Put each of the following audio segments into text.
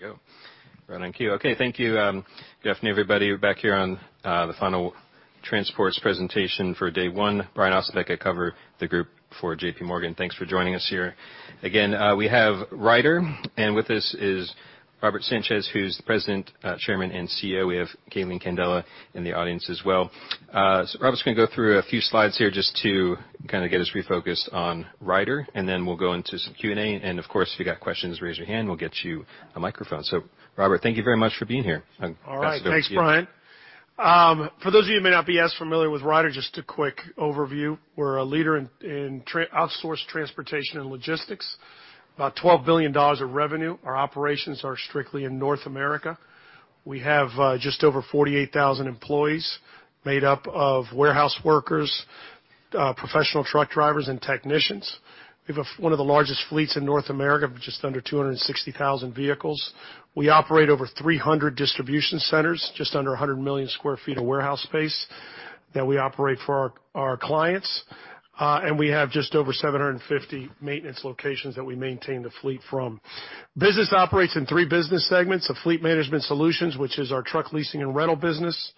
There you go. Right on cue. Okay, thank you, good afternoon, everybody. We're back here on the final transports presentation for day one. Brian Ossenbeck cover the group for JPMorgan. Thanks for joining us here. Again, we have Ryder, and with us is Robert Sanchez, who's the President, Chairman, and CEO. We have Calene Candela in the audience as well. Robert's gonna go through a few slides here just to kind of get us refocused on Ryder, and then we'll go into some Q&A. Of course, if you got questions, raise your hand, we'll get you a microphone. Robert, thank you very much for being here. Pass it over to you. All right. Thanks, Brian. For those of you who may not be as familiar with Ryder, just a quick overview. We're a leader in outsource transportation and logistics. About $12 billion of revenue. Our operations are strictly in North America. We have just over 48,000 employees made up of warehouse workers, professional truck drivers, and technicians. We have one of the largest fleets in North America, just under 260,000 vehicles. We operate over 300 distribution centers, just under 100 million sq ft of warehouse space that we operate for our clients. We have just over 750 maintenance locations that we maintain the fleet from. Business operates in three business segments of Fleet Management Solutions, which is our truck leasing and rental business.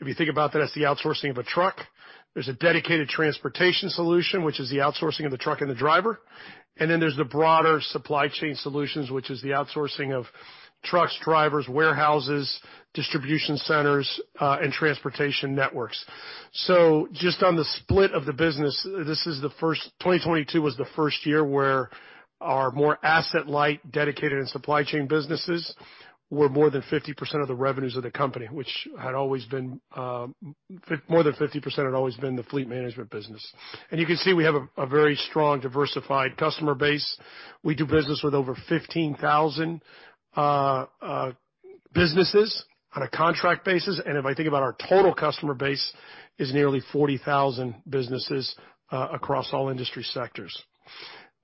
If you think about that's the outsourcing of a truck. There's a Dedicated Transportation Solutions, which is the outsourcing of the truck and the driver. There's the broader Supply Chain Solutions, which is the outsourcing of trucks, drivers, warehouses, distribution centers, and transportation networks. Just on the split of the business, this is the first—2022 was the first year where our more asset light. Dedicated, and Supply Chain businesses were more than 50% of the revenues of the company, which had always been more than 50% had always been the Fleet Management business. You can see we have a very strong, diversified customer base. We do business with over 15,000 businesses on a contract basis. If I think about our total customer base, is nearly 40,000 businesses across all industry sectors.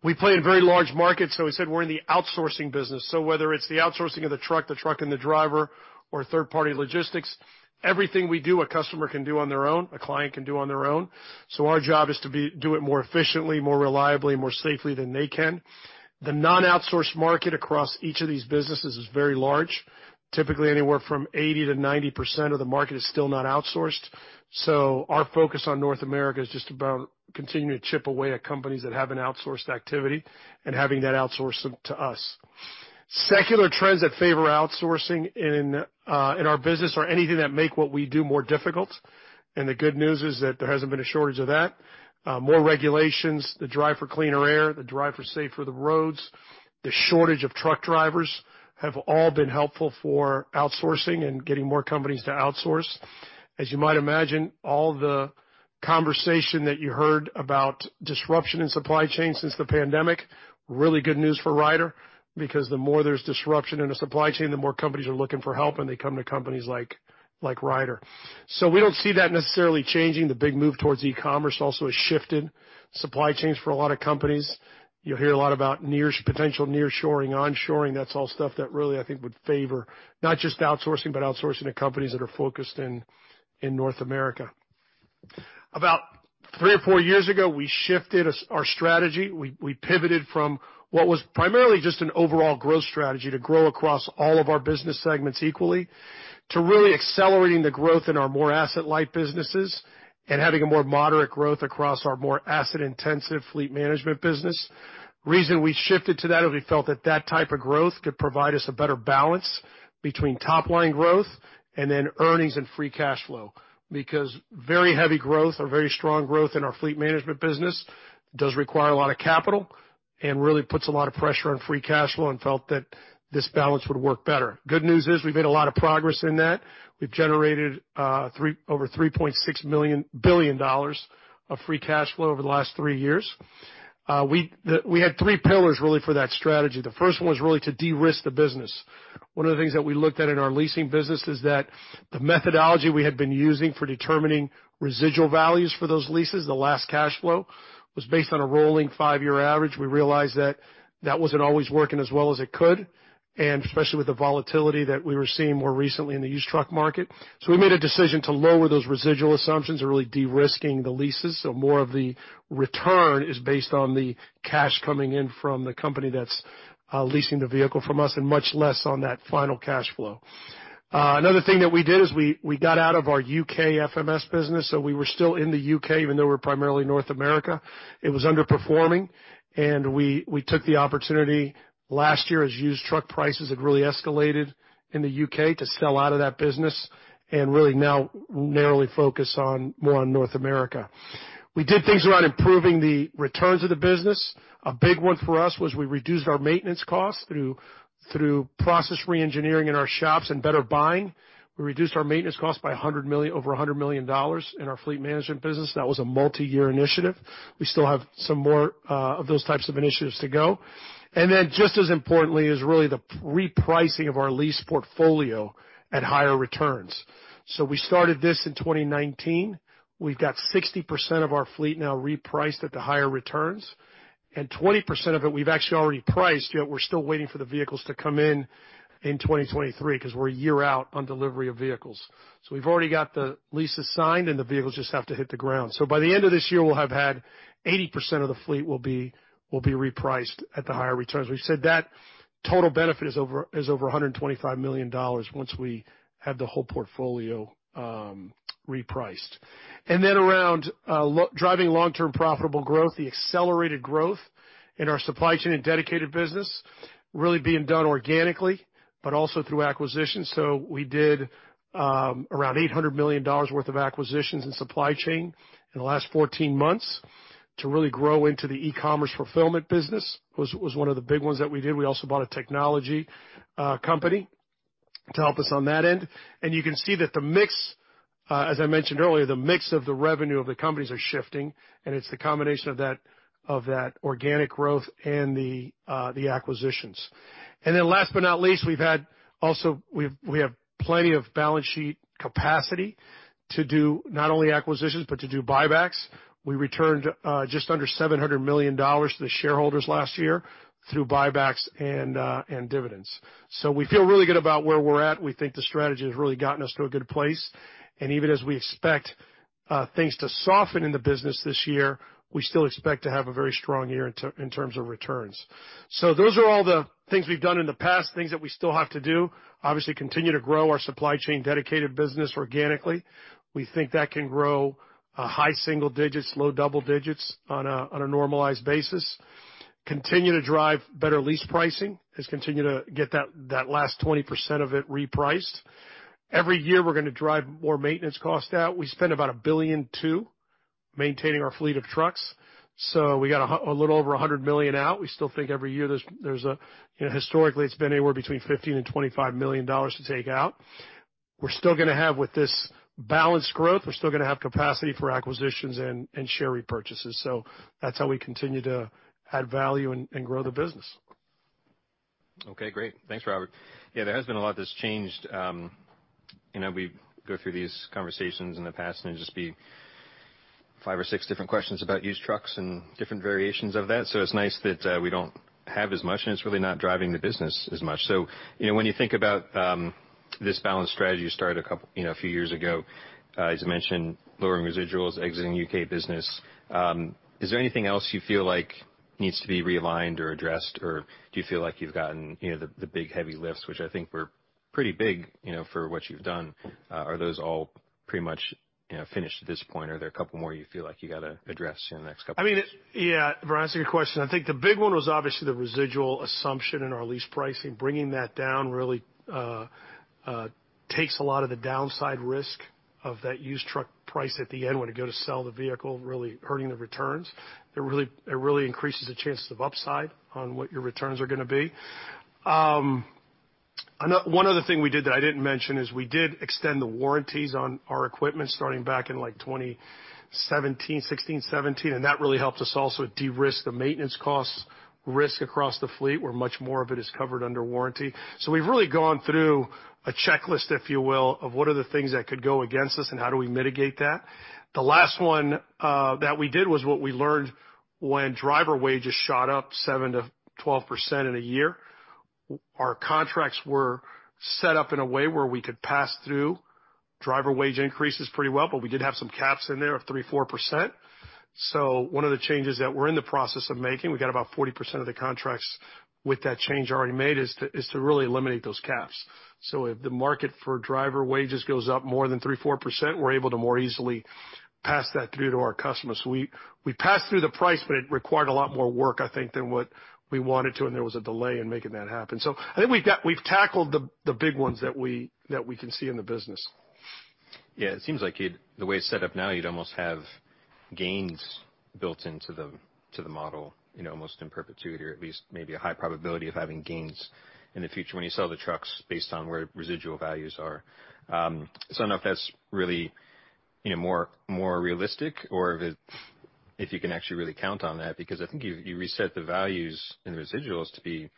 We play in very large markets. We said we're in the outsourcing business. Whether it's the outsourcing of the truck, the truck and the driver, or third-party logistics, everything we do a customer can do on their own, a client can do on their own. Our job is to do it more efficiently, more reliably, more safely than they can. The non-outsourced market across each of these businesses is very large. Typically, anywhere from 80%-90% of the market is still not outsourced. Our focus on North America is just about continuing to chip away at companies that haven’t outsourced activity and having that outsourced to us. Secular trends that favor outsourcing in our business are anything that make what we do more difficult. The good news is that there hasn't been a shortage of that. More regulations, the drive for cleaner air, the drive for safer the roads, the shortage of truck drivers have all been helpful for outsourcing and getting more companies to outsource. As you might imagine, all the conversation that you heard about disruption in supply chain since the pandemic, really good news for Ryder because the more there's disruption in a supply chain, the more companies are looking for help, and they come to companies like Ryder. We don't see that necessarily changing. The big move towards e-commerce also has shifted supply chains for a lot of companies. You'll hear a lot about potential nearshoring, onshoring. That's all stuff that really, I think, would favor not just outsourcing, but outsourcing to companies that are focused in North America. About three or four years ago, we shifted our strategy. We pivoted from what was primarily just an overall growth strategy to grow across all of our business segments equally, to really accelerating the growth in our more asset-light businesses, and having a more moderate growth across our more asset-intensive Fleet Management business. Reason we shifted to that, is we felt that that type of growth could provide us a better balance between top line growth, and then earnings, and free cash flow. Because very heavy growth or very strong growth in our Fleet Management business does require a lot of capital, and really puts a lot of pressure on free cash flow and felt that this balance would work better. Good news is we've made a lot of progress in that. We've generated over $3.6 billion of free cash flow over the last three years. We had three pillars, really, for that strategy. The first one was really to de-risk the business. One of the things that we looked at in our leasing business is that the methodology we had been using for determining residual values for those leases, the last cash flow, was based on a rolling five-year average. We realized that that wasn't always working as well as it could, and especially with the volatility that we were seeing more recently in the used truck market. We made a decision to lower those residual assumptions or really de-risking the leases. More of the return is based on the cash coming in from the company that's leasing the vehicle from us and much less on that final cash flow. Another thing that we did is we got out of our U.K. FMS business. We’re still in the U.K., even though we're primarily North America. It was underperforming, and we took the opportunity last year, as used truck prices had really escalated in the U.K., to sell out of that business and really now narrowly focus on more on North America. We did things around improving the returns of the business. A big one for us was we reduced our maintenance costs through process reengineering in our shops and better buying. We reduced our maintenance cost by $100 million, over $100 million in our Fleet Management business. That was a multi-year initiative. We still have some more of those types of initiatives to go. Just as importantly, is really the repricing of our lease portfolio at higher returns. We started this in 2019. We've got 60% of our fleet now repriced at the higher returns, and 20% of it we've actually already priced, yet we're still waiting for the vehicles to come in in 2023, because we're a year out on delivery of vehicles. We've already got the leases signed, and the vehicles just have to hit the ground. By the end of this year, we'll have had 80% of the fleet will be repriced at the higher returns. We've said that total benefit is over $125 million once we have the whole portfolio repriced. Around driving long-term profitable growth, the accelerated growth in our Supply Chain and Dedicated business really being done organically, but also through acquisition. We did around $800 million worth of acquisitions in supply chain in the last 14 months to really grow into the e-commerce fulfillment business, was one of the big ones that we did. We also bought a technology company to help us on that end. You can see that the mix, as I mentioned earlier, the mix of the revenue of the companies are shifting, and it's the combination of that organic growth and the acquisitions. Last but not least, we have plenty of balance sheet capacity to do not only acquisitions but to do buybacks. We returned just under $700 million to the shareholders last year through buybacks and dividends. We feel really good about where we're at. We think the strategy has really gotten us to a good place. Even as we expect things to soften in the business this year, we still expect to have a very strong year in terms of returns. Those are all the things we've done in the past. Things that we still have to do, obviously, continue to grow our Supply Chain Dedicated business organically. We think that can grow a high single digits, low double digits on a normalized basis. Continue to drive better lease pricing. Let's continue to get that last 20% of it repriced. Every year, we're gonna drive more maintenance costs out. We spend about $1.2 billion maintaining our fleet of trucks. We got a little over $100 million out. We still think every year there's a—you know, historically, it's been anywhere between $15 million and $25 million to take out. We're still gonna have with this balanced growth, we're still gonna have capacity for acquisitions and share repurchases. That's how we continue to add value and grow the business. Okay, great. Thanks, Robert. Yeah, there has been a lot that's changed, you know, we go through these conversations in the past, and it'd just be five or six different questions about used trucks and different variations of that. It's nice that, we don't have as much, and it's really not driving the business as much. You know, when you think about this balanced strategy you started a few years ago, as you mentioned, lowering residuals, exiting U.K. business, is there anything else you feel like needs to be realigned or addressed, or do you feel like you've gotten the big heavy lifts, which I think were pretty big, you know, for what you've done? Are those all pretty much, you know, finished at this point, or are there a couple more you feel like you gotta address in the next couple. I mean, yeah. Brian, that's a good question. I think the big one was obviously the residual assumption in our lease pricing. Bringing that down really takes a lot of the downside risk of that used truck price at the end when you go to sell the vehicle, really hurting the returns. It really increases the chances of upside on what your returns are gonna be. One other thing we did that I didn't mention is we did extend the warranties on our equipment starting back in, like, 2017, 2016–2017. That really helped us also de-risk the maintenance costs risk across the fleet, where much more of it is covered under warranty. We've really gone through a checklist, if you will, of what are the things that could go against us and how do we mitigate that. The last one that we did was what we learned when driver wages shot up 7%-12% in a year. Our contracts were set up in a way where we could pass through driver wage increases pretty well, but we did have some caps in there of 3%, 4%. One of the changes that we're in the process of making, we got about 40% of the contracts with that change already made, is to really eliminate those caps. If the market for driver wages goes up more than 3%, 4%, we're able to more easily pass that through to our customers. We passed through the price, but it required a lot more work, I think, than what we wanted to, and there was a delay in making that happen. I think we've tackled the big ones that we can see in the business. It seems like it, the way it's set up now, you'd almost have gains built into the model almost in perpetuity, or at least maybe a high probability of having gains in the future when you sell the trucks based on where residual values are. I don't know if that's really, more realistic or if you can actually really count on that, because I think you reset the values and the residuals to be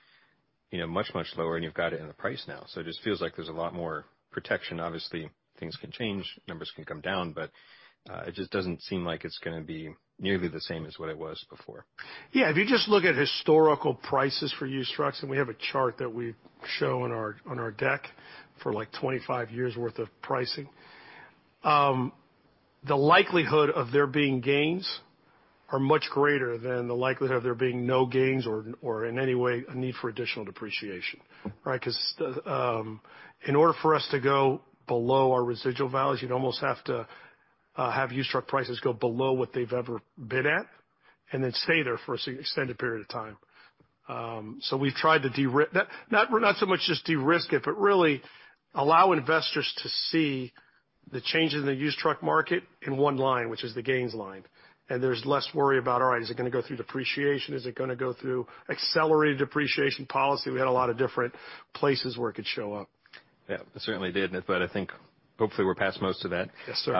much, much lower, and you've got it in the price now. Just feels like there's a lot more protection. Obviously, things can change, numbers can come down, it just doesn't seem like it's gonna be nearly the same as what it was before. Yeah. If you just look at historical prices for used trucks, and we have a chart that we show on our deck for, like, 25 years worth of pricing, the likelihood of there being gains are much greater than the likelihood of there being no gains or in any way a need for additional depreciation, right? 'Cause the, in order for us to go below our residual values, you'd almost have to have used truck prices go below what they've ever been at and then stay there for an extended period of time. So we've tried to not so much just de-risk it, but really allow investors to see the change in the used truck market in one line, which is the gains line. There's less worry about, all right, is it gonna go through depreciation? Is it gonna go through accelerated depreciation policy? We had a lot of different places where it could show up. Yeah. It certainly did, but I think hopefully we're past most of that. Yes, sir.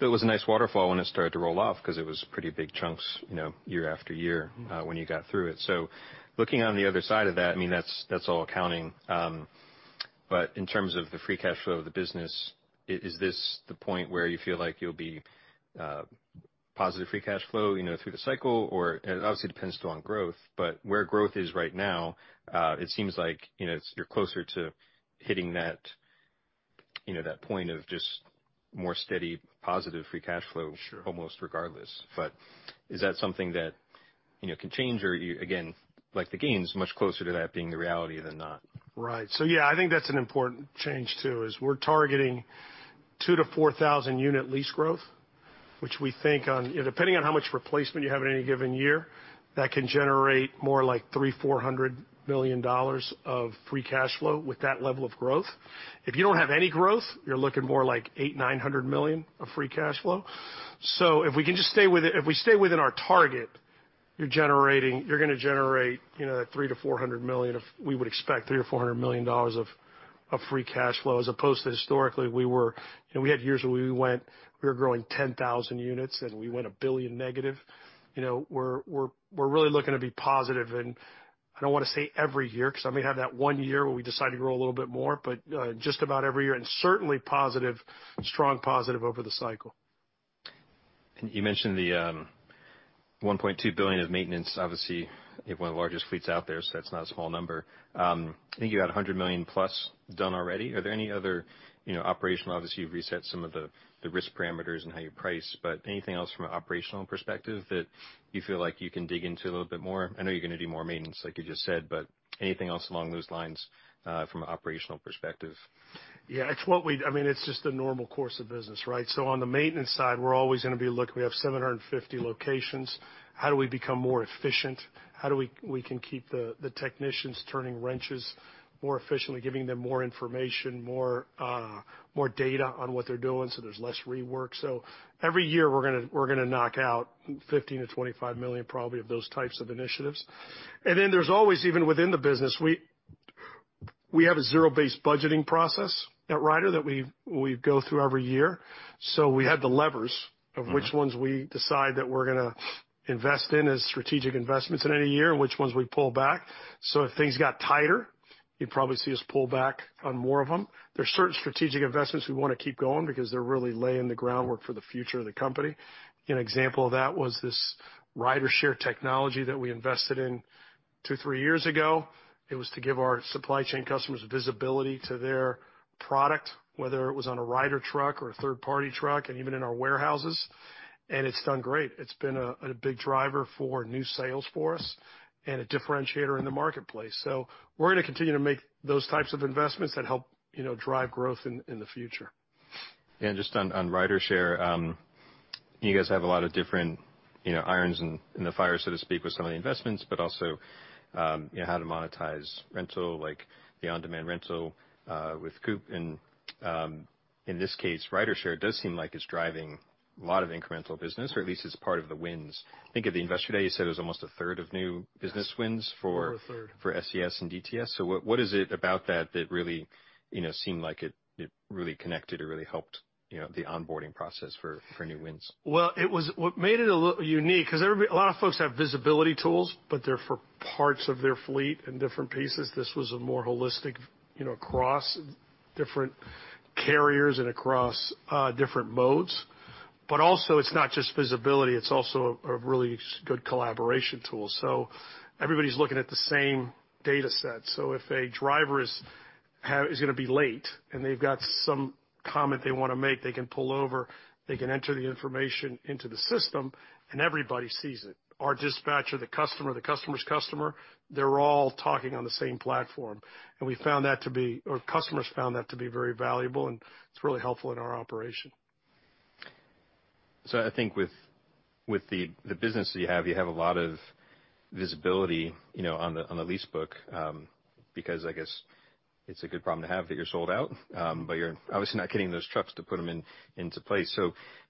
It was a nice waterfall when it started to roll off because it was pretty big chunks, you know, year-after-year, when you got through it. Looking on the other side of that, I mean, that's all accounting. In terms of the free cash flow of the business, is this the point where you feel like you'll be positive free cash flow through the cycle? Or? It obviously depends still on growth, but where growth is right now, it seems like you're closer to hitting that point of just more steady positive free cash flow almost regardless. Is that something that can change or again, like the gains, much closer to that being the reality than not? Right. Yeah, I think that's an important change too, is we're targeting 2,000–4,000 unit lease growth, which we think on—depending on how much replacement you have in any given year, that can generate more like $300 million-$400 million of free cash flow with that level of growth. If you don't have any growth, you're looking more like $800 million-$900 million of free cash flow. If we can just stay within our target, you're gonna generate $300 million-$400 million of free cash flow, as opposed to historically, we had years where, we were growing 10,000 units, and we went $1 billion negative. You know, we're really looking to be positive, and I don't want to say every year, because I may have that one year where we decide to grow a little bit more, but just about every year, and certainly positive, strong positive over the cycle. You mentioned the $1.2 billion of maintenance. Obviously, you have one of the largest fleets out there, so that's not a small number. I think you had $100 million+ done already. Are there any other; operational? Obviously, you've reset some of the risk parameters and how you price, but anything else from an operational perspective that you feel like you can dig into a little bit more? I know you're going to do more maintenance, like you just said, but anything else along those lines from an operational perspective? Yeah, it's what I mean, it's just the normal course of business, right? On the maintenance side, we're always gonna be, look, we have 750 locations. How do we become more efficient? How do we can keep the technicians turning wrenches more efficiently, giving them more information, more data on what they're doing, so there's less rework. Every year, we're gonna knock out $15 million-$25 million probably of those types of initiatives. There's always, even within the business, we have a zero-based budgeting process at Ryder that we go through every year. We have the leversMof which ones we decide that we're gonna invest in as strategic investments in any year, and which ones we pull back. If things got tighter, you'd probably see us pull back on more of them. There's certain strategic investments we want to keep going because they're really laying the groundwork for the future of the company. An example of that was this RyderShare technology that we invested in two, three years ago. It was to give our supply chain customers visibility to their product, whether it was on a Ryder truck or a third-party truck and even in our warehouses. It's done great. It's been a big driver for new sales for us and a differentiator in the marketplace. We're gonna continue to make those types of investments that help drive growth in the future. Yeah. Just on RyderShare, you guys have a lot of different irons in the fire, so to speak, with some of the investments, but also, how to monetize rental, like the on-demand rental, with COOP. In this case, RyderShare does seem like it's driving a lot of incremental business, or at least it's part of the wins. I think at the Investor Day, you said it was almost a third of new business wins for. Over a third. For SCS and DTS. What is it about that really, seemed like it really connected or really helped the onboarding process for new wins? Well, it was what made it a little unique, 'cause a lot of folks have visibility tools, but they're for parts of their fleet and different pieces. This was a more holistic across different carriers and across different modes. Also, it's not just visibility, it's also a really good collaboration tool. Everybody's looking at the same data set. If a driver is gonna be late, and they've got some comment they wanna make, they can pull over, they can enter the information into the system, and everybody sees it. Our dispatcher, the customer, the customer's customer, they're all talking on the same platform. We found that to be or customers found that to be very valuable, and it's really helpful in our operation. I think with the business that you have, you have a lot of visibility on the lease book, because I guess it's a good problem to have that you're sold out, but you're obviously not getting those trucks to put them into place.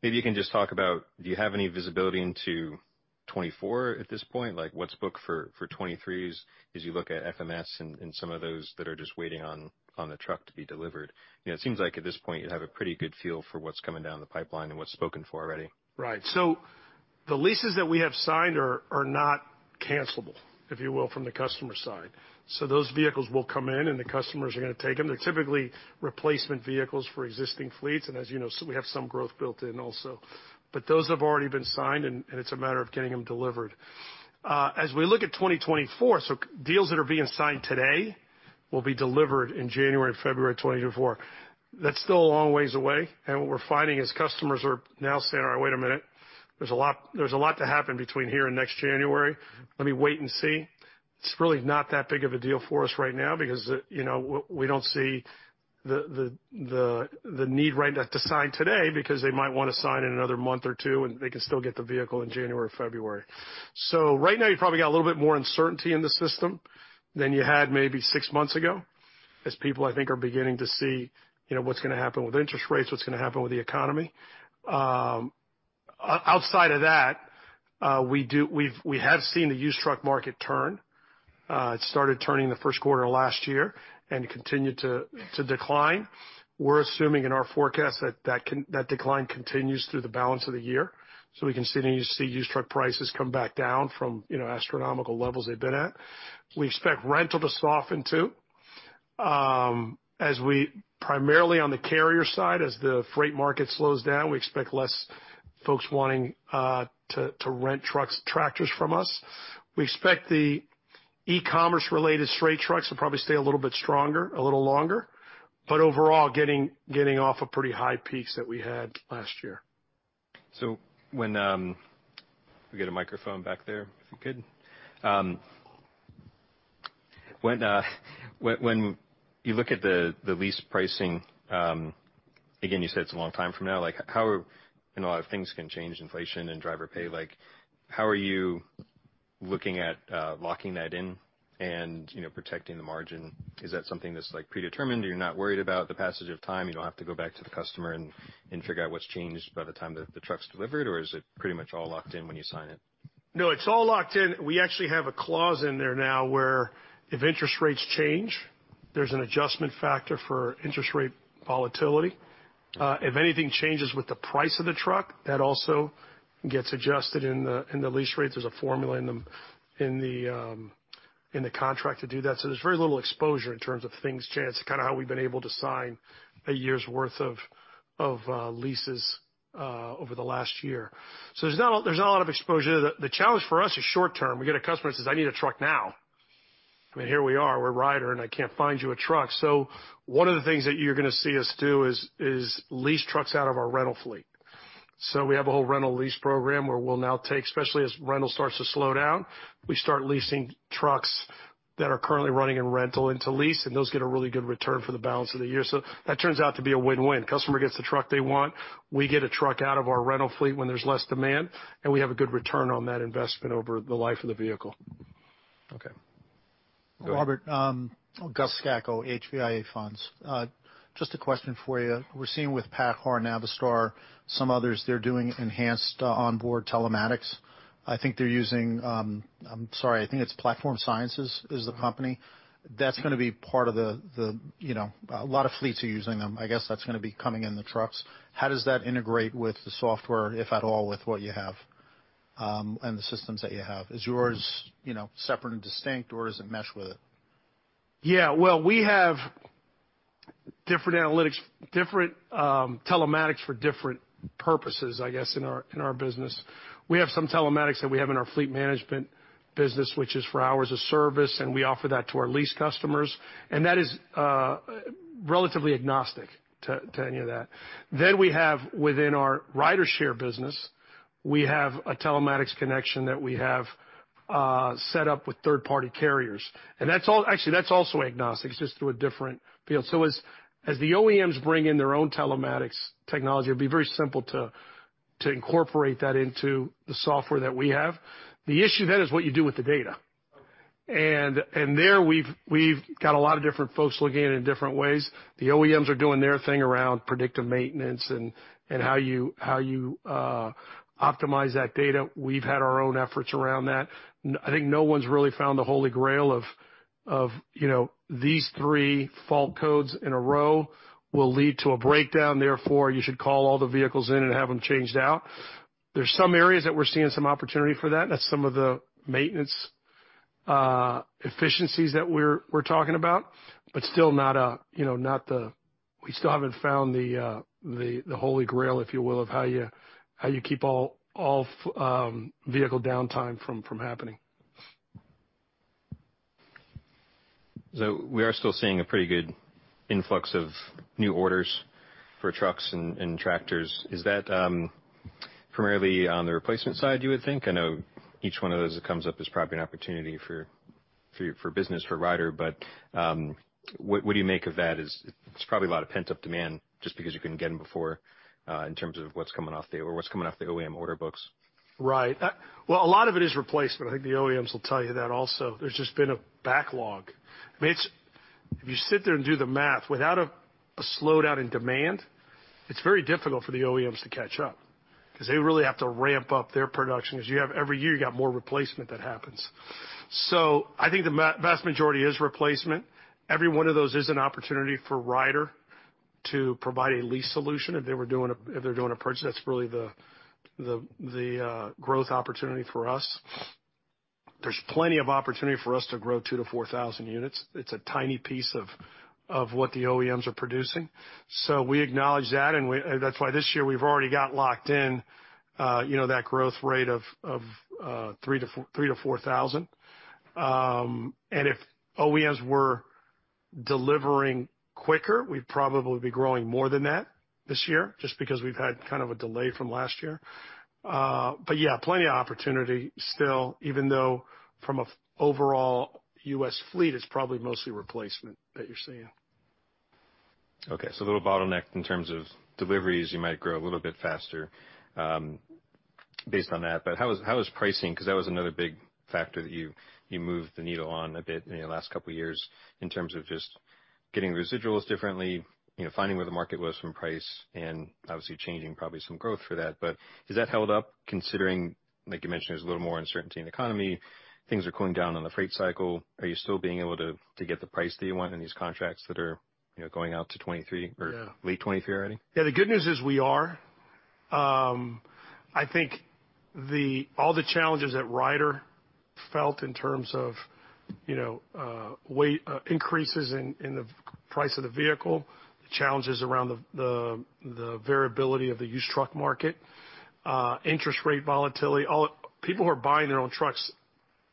Maybe you can just talk about, do you have any visibility into 2024 at this point? Like, what's booked for 2023 as you look at FMS and some of those that are just waiting on the truck to be delivered. You know, it seems like at this point you have a pretty good feel for what's coming down the pipeline and what's spoken for already. Right. The leases that we have signed are not cancelable, if you will, from the customer side. Those vehicles will come in, and the customers are gonna take them. They're typically replacement vehicles for existing fleets, and as you know, we have some growth built in also. Those have already been signed, and it's a matter of getting them delivered. As we look at 2024, so deals that are being signed today will be delivered in January and February 2024. That's still a long ways away, and what we're finding is customers are now saying, "All right, wait a minute. There's a lot to happen between here and next January. Let me wait and see." It's really not that big of a deal for us right now because we don't see the need right now to sign today because they might wanna sign in another one month or two, and they can still get the vehicle in January or February. Right now you've probably got a little bit more uncertainty in the system than you had maybe six months ago, as people, I think, are beginning to see, what's gonna happen with interest rates, what's gonna happen with the economy. Outside of that, we have seen the used truck market turn. It started turning the first quarter of last year and continued to decline. We're assuming in our forecast that decline continues through the balance of the year. We continue to see used truck prices come back down from astronomical levels they've been at. We expect rental to soften too. As we, primarily on the carrier side, as the freight market slows down, we expect less folks wanting to rent trucks, tractors from us. We expect the e-commerce related straight trucks to probably stay a little bit stronger a little longer, but overall, getting off a pretty high peaks that we had last year. Can we get a microphone back there, if we could? When you look at the lease pricing, again, you said it's a long time from now. You know, things can change inflation and driver pay, like how are you looking at locking that in and protecting the margin? Is that something that's, like, predetermined? Are you not worried about the passage of time? You don't have to go back to the customer and figure out what's changed by the time that the truck's delivered, or is it pretty much all locked in when you sign it? No, it's all locked in. We actually have a clause in there now where if interest rates change, there's an adjustment factor for interest rate volatility. If anything changes with the price of the truck, that also gets adjusted in the lease rates. There's a formula in the contract to do that. There's very little exposure in terms of things chance, kind of how we've been able to sign a year's worth of leases over the last year. There's not a lot of exposure. The challenge for us is short-term. We get a customer that says, "I need a truck now." I mean, here we are, we're Ryder, I can't find you a truck. One of the things that you're gonna see us do is lease trucks out of our rental fleet. We have a whole rental lease program where we'll now take, especially as rental starts to slow down, we start leasing trucks that are currently running in rental into lease, and those get a really good return for the balance of the year. That turns out to be a win-win. Customer gets the truck they want, we get a truck out of our rental fleet when there's less demand, and we have a good return on that investment over the life of the vehicle. Okay. Go ahead. Robert, Gus Scacco, HVIA Funds. Just a question for you. We're seeing with PACCAR, Navistar, some others, they're doing enhanced, onboard telematics. I think they're using, I'm sorry, I think it's Platform Science is the company. That's gonna be part of the—you know, a lot of fleets are using them. I guess that's gonna be coming in the trucks. How does that integrate with the software, if at all, with what you have, and the systems that you have? Is yours separate and distinct, or does it mesh with it? Yeah. Well, we have different analytics, different telematics for different purposes, I guess, in our business. We have some telematics that we have in our Fleet Management business, which is for hours of service, and we offer that to our lease customers, and that is relatively agnostic to any of that. We have within our RyderShare business, we have a telematics connection that we have set up with third-party carriers. Actually, that's also agnostic. It's just through a different field. As the OEMs bring in their own telematics technology, it'd be very simple to incorporate that into the software that we have. The issue then is what you do with the data. Okay. There we've got a lot of different folks looking at it in different ways. The OEMs are doing their thing around predictive maintenance and how you optimize that data. We've had our own efforts around that. I think no one's really found the holy grail of these three fault codes in a row will lead to a breakdown, therefore, you should call all the vehicles in and have them changed out. There's some areas that we're seeing some opportunity for that, and that's some of the maintenance efficiencies that we're talking about, but still not a—we still haven't found the holy grail, if you will, of how you keep all vehicle downtime from happening. We are still seeing a pretty good influx of new orders for trucks and tractors. Is that primarily on the replacement side, you would think? I know each one of those that comes up is probably an opportunity for business for Ryder, but what do you make of that? It's probably a lot of pent-up demand just because you couldn't get them before, in terms of what's coming off the OEM order books. Well, a lot of it is replacement. I think the OEMs will tell you that also. There's just been a backlog, which if you sit there and do the math, without a slowdown in demand, it's very difficult for the OEMs to catch up because they really have to ramp up their production because every year, you got more replacement that happens. I think the vast majority is replacement. Every one of those is an opportunity for Ryder to provide a lease solution if they're doing a purchase. That's really the growth opportunity for us. There's plenty of opportunity for us to grow 2,000–4,000 units. It's a tiny piece of what the OEMs are producing. We acknowledge that, and that's why this year we've already got locked in that growth rate of, 3,000–4,000. If OEMs were delivering quicker, we'd probably be growing more than that this year just because we've had kind of a delay from last year. Yeah, plenty of opportunity still, even though from an overall U.S. fleet, it's probably mostly replacement that you're seeing. A little bottleneck in terms of deliveries. You might grow a little bit faster based on that. How is pricing? Because that was another big factor that you moved the needle on a bit in the last couple of years in terms of just getting residuals differently, you know, finding where the market was from price and obviously changing probably some growth for that. Has that held up considering, like you mentioned, there's a little more uncertainty in the economy, things are cooling down on the freight cycle. Are you still being able to get the price that you want in these contracts that are, you know, going out to 2023? Yeah. Late 2023 already? Yeah. The good news is we are—I think the challenges that Ryder felt in terms of weight increases in the price of the vehicle, the challenges around the variability of the used truck market, interest rate volatility. People who are buying their own trucks,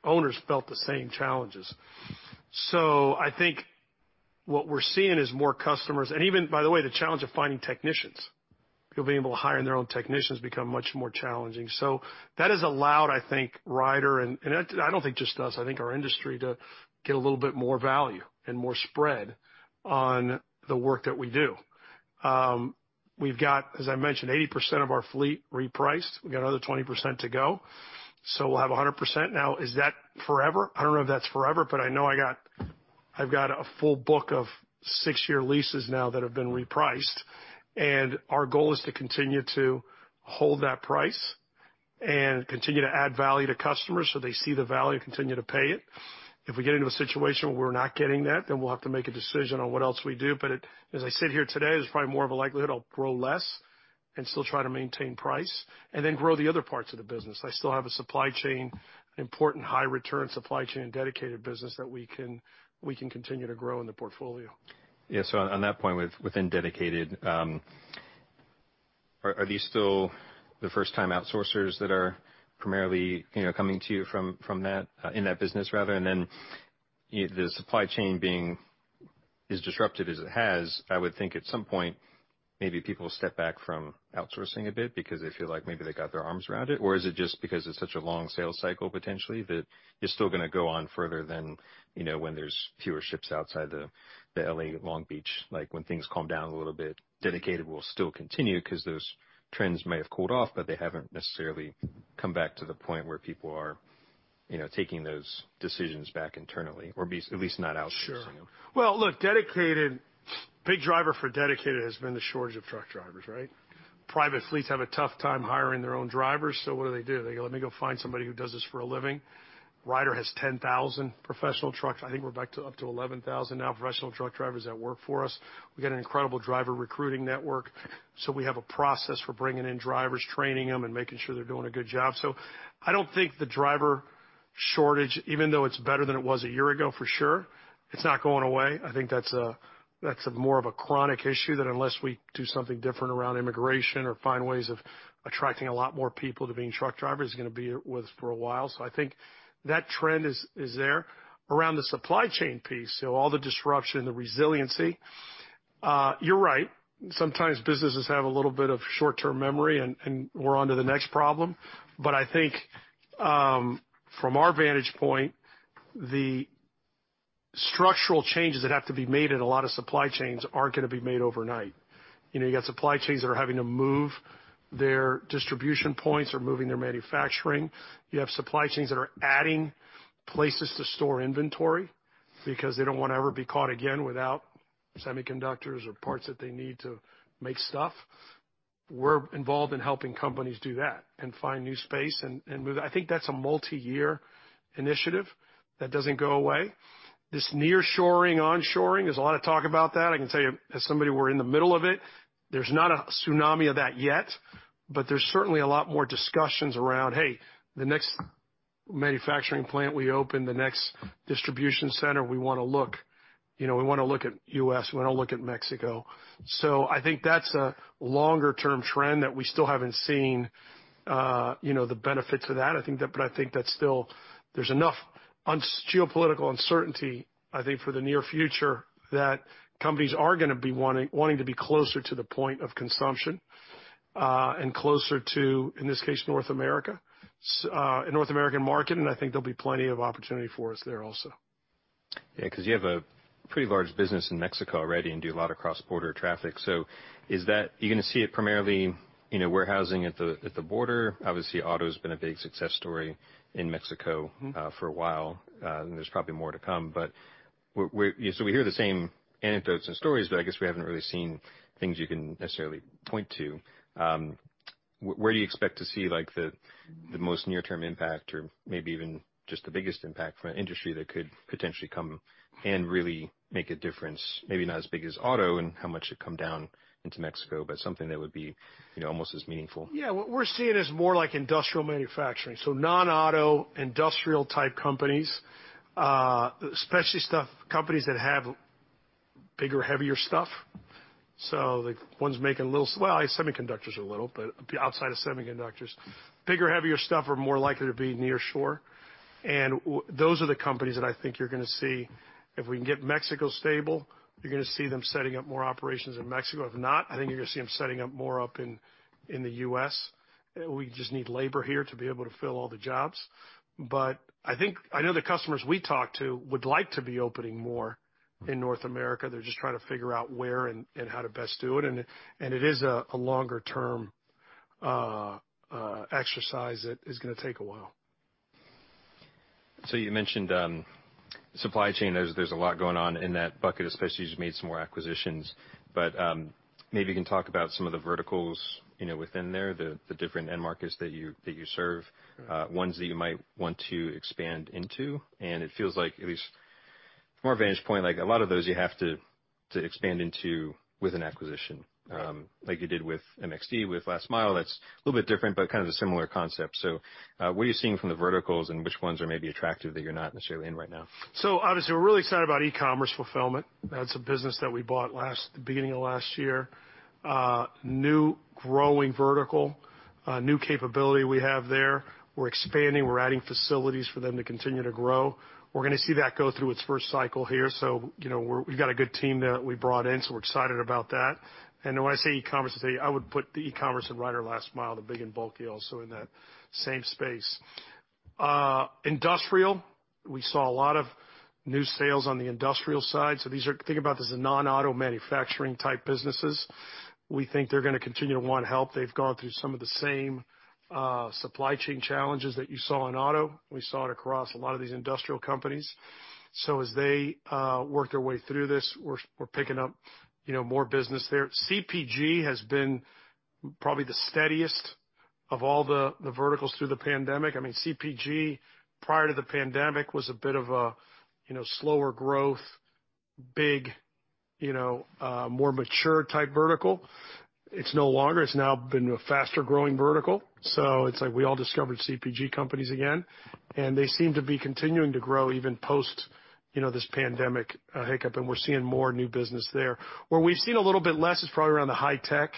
owners felt the same challenges. I think what we're seeing is more customers. Even, by the way, the challenge of finding technicians, people being able to hire their own technicians become much more challenging. That has allowed, I think, Ryder—and I don't think just us, I think our industry—to get a little bit more value and more spread on the work that we do. We've got, as I mentioned, 80% of our fleet repriced. We got another 20% to go. We'll have 100%. Is that forever? I don't know if that's forever, but I know I got, I've got a full book of six-year leases now that have been repriced, and our goal is to continue to hold that price and continue to add value to customers so they see the value and continue to pay it. If we get into a situation where we're not getting that, then we'll have to make a decision on what else we do. As I sit here today, there's probably more of a likelihood I'll grow less and still try to maintain price and then grow the other parts of the business. I still have a supply chain, important high return Supply Chain and Dedicated business that we can continue to grow in the portfolio. On that point, within Dedicated, are these still the first time outsourcers that are primarily coming to you from that in that business rather? The supply chain being as disrupted as it has, I would think at some point, maybe people step back from outsourcing a bit because they feel like maybe they got their arms around it. Is it just because it's such a long sales cycle potentially that you're still gonna go on further than when there's fewer ships outside the L.A. Long Beach, like when things calm down a little bit. Dedicated will still continue 'cause those trends may have cooled off, but they haven't necessarily come back to the point where people are, you know, taking those decisions back internally, or at least not outsourcing them? Sure. Well, look, Dedicated, big driver for Dedicated has been the shortage of truck drivers, right? Private fleets have a tough time hiring their own drivers, so what do they do? They go, "Let me go find somebody who does this for a living." Ryder has 10,000 professional, I think we're back to up to 11,000 now, professional truck drivers that work for us. We got an incredible driver recruiting network, so we have a process for bringing in drivers, training them, and making sure they're doing a good job. I don't think the driver shortage, even though it's better than it was a year ago, for sure, it's not going away. I think that's a more of a chronic issue that unless we do something different around immigration or find ways of attracting a lot more people to being truck drivers, is gonna be with us for a while. I think that trend is there. Around the supply chain piece, all the disruption, the resiliency, you're right. Sometimes businesses have a little bit of short-term memory and we're onto the next problem. I think from our vantage point, the structural changes that have to be made in a lot of supply chains aren't gonna be made overnight. You know, you got supply chains that are having to move their distribution points or moving their manufacturing. You have supply chains that are adding places to store inventory because they don't wanna ever be caught again without semiconductors or parts that they need to make stuff. We're involved in helping companies do that and find new space and move. I think that's a multi-year initiative that doesn't go away. This nearshoring, onshoring, there's a lot of talk about that. I can tell you, as somebody, we're in the middle of it, there's not a tsunami of that yet, but there's certainly a lot more discussions around, hey, the next manufacturing plant we open, the next distribution center, we wanna look, you know, we wanna look at U.S., we wanna look at Mexico. I think that's a longer term trend that we still haven't seen the benefits of that. I think that, but I think that's still, there's enough geopolitical uncertainty, I think, for the near future that companies are gonna be wanting to be closer to the point of consumption and closer to, in this case, North America, North American market. I think there'll be plenty of opportunity for us there also. Yeah, 'cause you have a pretty large business in Mexico already and do a lot of cross-border traffic. Is that—you're gonna see it primarily, you know, warehousing at the border. Obviously, auto's been a big success story in Mexico for a while, and there's probably more to come. We hear the same anecdotes and stories, but I guess we haven't really seen things you can necessarily point to. Where do you expect to see, like, the most near-term impact or maybe even just the biggest impact from an industry that could potentially come and really make a difference, maybe not as big as auto and how much it come down into Mexico, but something that would be, you know, almost as meaningful? What we're seeing is more like industrial manufacturing, non-auto, industrial-type companies, especially stuff, companies that have bigger, heavier stuff. The ones making little— well, semiconductors are little, but outside of semiconductors—bigger, heavier stuff are more likely to be nearshore. Those are the companies that I think you're gonna see. If we can get Mexico stable, you're gonna see them setting up more operations in Mexico. If not, I think you're gonna see them setting up more up in the U.S. We just need labor here to be able to fill all the jobs. I think, I know the customers we talk to would like to be opening more in North America. They're just trying to figure out where and how to best do it, and it is a longer term exercise that is gonna take a while. You mentioned, supply chain. There's a lot going on in that bucket, especially as you made some more acquisitions. Maybe you can talk about some of the verticals within there, the different end markets that you serve. Ones that you might want to expand into. It feels like, at least from our vantage point, like a lot of those you have to expand into with an acquisition, like you did with MXD, with Last Mile, that's a little bit different but kind of a similar concept. What are you seeing from the verticals and which ones are maybe attractive that you're not necessarily in right now? Obviously, we're really excited about e-commerce fulfillment. That's a business that we bought last, the beginning of last year. New growing vertical, new capability we have there. We're expanding, we're adding facilities for them to continue to grow. We're gonna see that go through its first cycle here. You know, we've got a good team that we brought in, so we're excited about that. When I say e-commerce, I would put the e-commerce and Ryder Last Mile, the big and bulky also in that same space. Industrial, we saw a lot of new sales on the industrial side. Think about this, the non-auto manufacturing type businesses. We think they're gonna continue to want help. They've gone through some of the same, supply chain challenges that you saw in auto. We saw it across a lot of these industrial companies. As they work their way through this, we're picking up more business there. CPG has been probably the steadiest of all the verticals through the pandemic. I mean, CPG, prior to the pandemic, was a bit of a slower growth, big, more mature type vertical. It's no longer. It's now been a faster-growing vertical. It's like we all discovered CPG companies again, and they seem to be continuing to grow even post this pandemic hiccup, and we're seeing more new business there. Where we've seen a little bit less is probably around the high tech.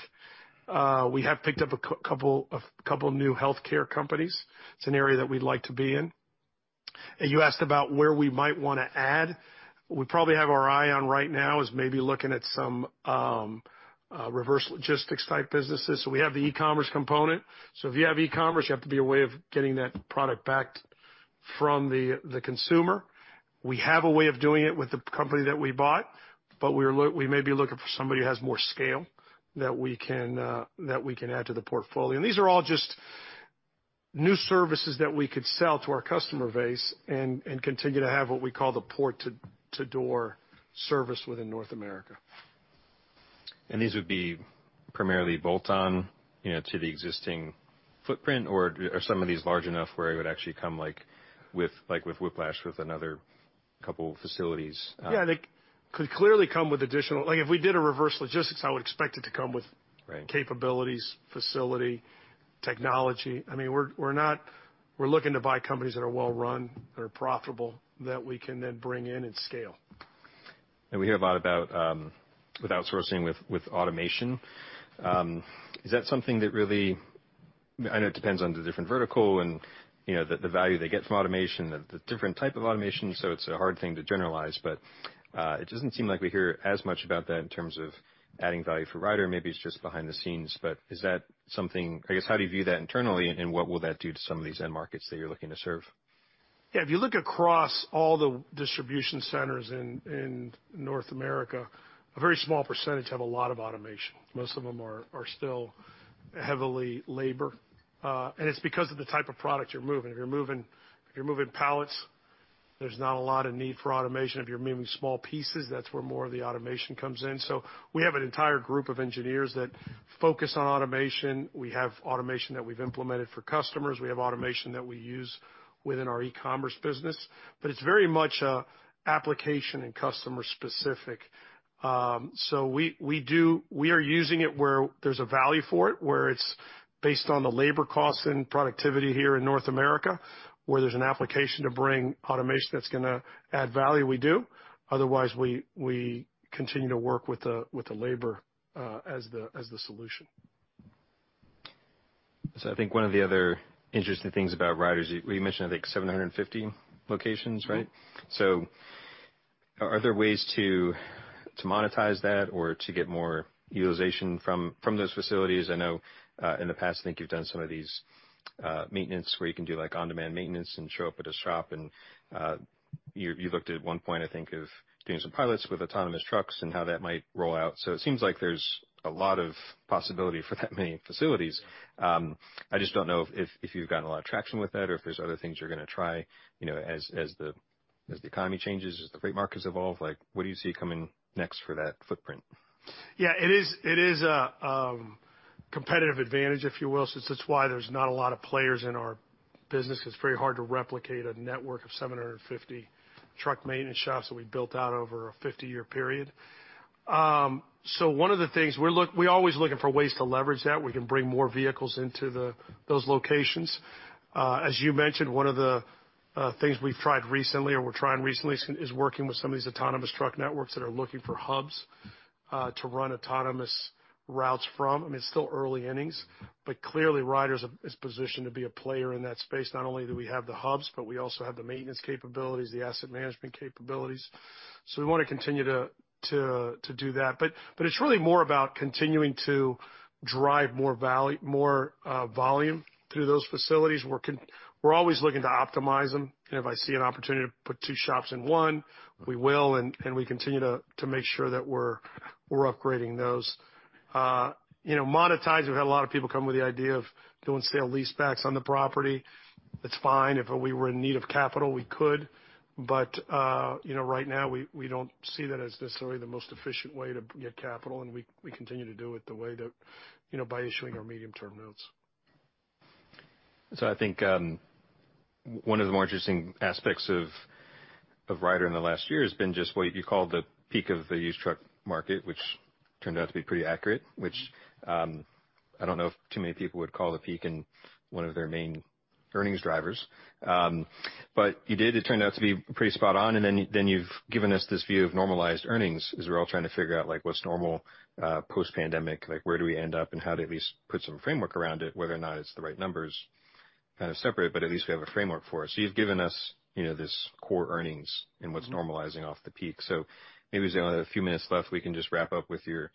We have picked up a couple new healthcare companies. It's an area that we'd like to be in. You asked about where we might wanna add. We probably have our eye on right now is maybe looking at some reverse logistics type businesses. We have the e-commerce component. If you have e-commerce, you have to be a way of getting that product back from the consumer. We have a way of doing it with the company that we bought, but we may be looking for somebody who has more scale that we can that we can add to the portfolio. These are all just new services that we could sell to our customer base and continue to have what we call the port to door service within North America. These would be primarily bolt-on to the existing footprint, or are some of these large enough where it would actually come like with Whiplash, with another couple facilities? Yeah, they could clearly come with additional—if we did a reverse logistics, I would expect it to come with capabilities, facility, technology. I mean, we're not. We're looking to buy companies that are well run, that are profitable, that we can then bring in and scale. We hear a lot about outsourcing, with automation. Is that something that really. I know it depends on the different vertical and the value they get from automation, the different type of automation, so it's a hard thing to generalize. It doesn't seem like we hear as much about that in terms of adding value for Ryder. Maybe it's just behind the scenes, but is that something, I guess, how do you view that internally, and what will that do to some of these end markets that you're looking to serve? If you look across all the distribution centers in North America, a very small percentage have a lot of automation. Most of them are still heavily labor, and it's because of the type of product you're moving. If you're moving pallets, there's not a lot of need for automation. If you're moving small pieces, that's where more of the automation comes in. We have an entire group of engineers that focus on automation. We have automation that we've implemented for customers. We have automation that we use within our e-commerce business, but it's very much application and customer specific. We are using it where there's a value for it, where it's based on the labor costs and productivity here in North America. Where there's an application to bring automation that's gonna add value, we do. Otherwise, we continue to work with the labor as the solution. I think one of the other interesting things about Ryder is you mentioned, I think, 750 locations, right? Are there ways to monetize that or to get more utilization from those facilities? I know, in the past, I think you've done some of these maintenance where you can do, like, on-demand maintenance and show up at a shop. You looked at one point, I think, of doing some pilots with autonomous trucks and how that might roll out. It seems like there's a lot of possibility for that many facilities. I just don't know if you've gotten a lot of traction with that or if there's other things you're gonna try, you know, as the economy changes, as the freight markets evolve. Like, what do you see coming next for that footprint? Yeah, it is competitive advantage, if you will. That's why there's not a lot of players in our business, 'cause it's very hard to replicate a network of 750 truck maintenance shops that we built out over a 50-year period. One of the things we're always looking for ways to leverage that. We can bring more vehicles into those locations. As you mentioned, one of the things we've tried recently or we're trying recently is working with some of these autonomous truck networks that are looking for hubs to run autonomous routes from. I mean, it's still early innings, but clearly, Ryder's is positioned to be a player in that space. Not only do we have the hubs, but we also have the maintenance capabilities, the asset management capabilities. We wanna continue to do that. It's really more about continuing to drive more volume through those facilities. We're always looking to optimize them. If I see an opportunity to put two shops in one, we will, and we continue to make sure that we're upgrading those. You know, monetize, we've had a lot of people come with the idea of go and sell lease backs on the property. It's fine. If we were in need of capital, we could. You know, right now, we don't see that as necessarily the most efficient way to get capital, and we continue to do it the way that by issuing our medium-term notes. I think, one of the more interesting aspects of Ryder in the last year has been just what you called the peak of the used truck market, which turned out to be pretty accurate, which, I don't know if too many people would call a peak in one of their main earnings drivers. You did, it turned out to be pretty spot on. Then you've given us this view of normalized earnings as we're all trying to figure out, like, what's normal, post-pandemic, like, where do we end up and how to at least put some framework around it, whether or not it's the right numbers kind of separate, but at least we have a framework for it. You've given us this core earnings and what's normalizing off the peak. Maybe we only have a few minutes left, we can just wrap up with your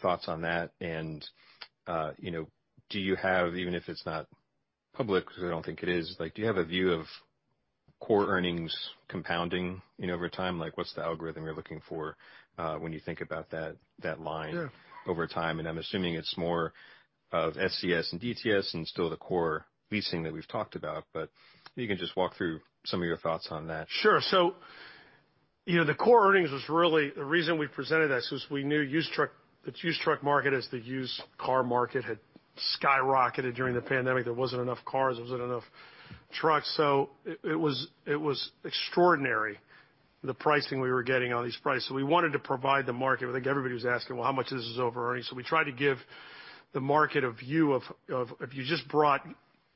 thoughts on that. You know, do you have, even if it's not public, because I don't think it is, like, do you have a view of core earnings compounding over time? Like, what's the algorithm you're looking for when you think about that line over time? I'm assuming it's more of SCS and DTS and still the core leasing that we've talked about. If you can just walk through some of your thoughts on that. Sure. You know, the core earnings was really—the reason we presented that was we knew the used truck market, as the used car market had skyrocketed during the pandemic, there wasn't enough cars, there wasn't enough trucks. It was extraordinary, the pricing we were getting on these prices. We wanted to provide the market. I think everybody was asking, "Well, how much of this is over-earning?" We tried to give the market a view of if you just brought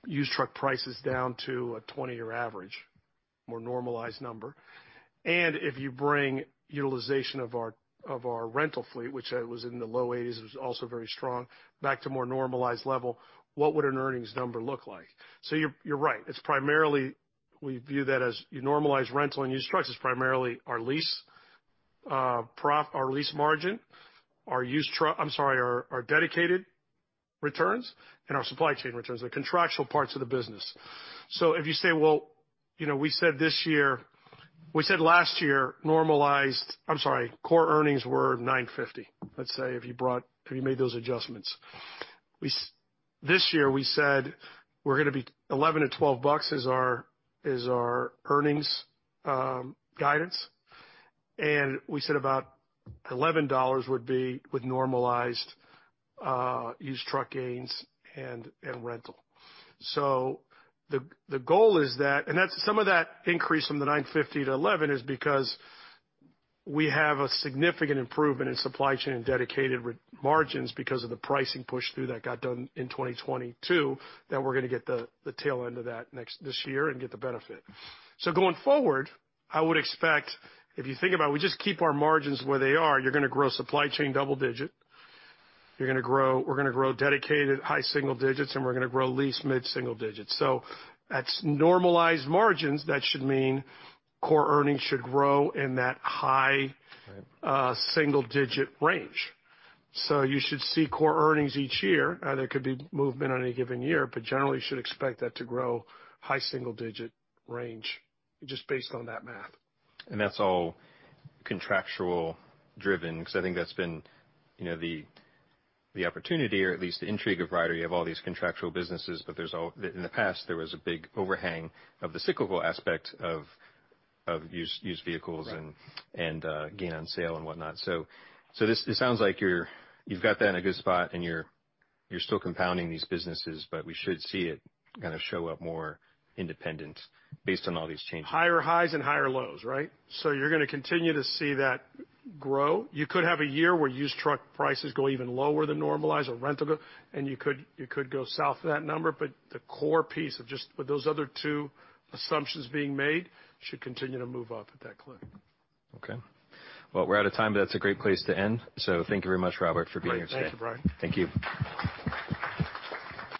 used truck prices down to a 20-year average, more normalized number. And if you bring utilization of our rental fleet, which was in the low 80s—it was also very strong—back to more normalized level, what would an earnings number look like? You're right. It's primarily, we view that as you normalize rental and used trucks, it's primarily our lease margin, our used—I'm sorry, or Dedicated returns and our Supply Chain returns, the contractual parts of the business. If you say, we said this year we said last year, normalized I'm sorry, core earnings were $950, let's say, if you made those adjustments. This year we said we're gonna be $11-$12 as our earnings guidance. We said about $11 would be with normalized used truck gains and rental. The goal is that, and that's some of that increase from the $950-$1,100 is because we have a significant improvement in Supply Chain and Dedicated margins because of the pricing push-through that got done in 2022, that we're gonna get the tail end of that this year and get the benefit. Going forward, I would expect—if you think about, we just keep our margins where they are, you're gonna grow Supply Chain double-digit. We’re gonna grow Dedicated high single-digits, and we're gonna grow lease mid-single-digits. At normalized margins, that should mean core earnings should grow in that high single-digit range. You should see core earnings each year. There could be movement on a given year, but generally should expect that to grow high single digit range just based on that math. That's all contractual driven, 'cause I think that's been the opportunity or at least the intrigue of variety of all these contractual businesses. There's in the past, there was a big overhang of the cyclical aspect of used vehicles and gain on sale and whatnot. This sounds like you've got that in a good spot and you're still compounding these businesses, but we should see it kind of show up more independent based on all these changes. Higher highs and higher lows, right? You're gonna continue to see that grow. You could have a year where used truck prices go even lower than normalized or rental go, and you could go south of that number. The core piece of just with those other two assumptions being made should continue to move up at that clip. Well, we're out of time, but that's a great place to end. Thank you very much, Robert, for being here today. Great. Thank you, Brian.. Thank you.